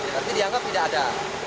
tapi dianggap tidak ada